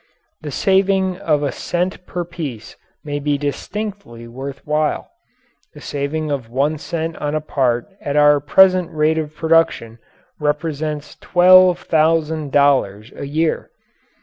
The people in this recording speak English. The saving of a cent per piece may be distinctly worth while. A saving of one cent on a part at our present rate of production represents twelve thousand dollars a year.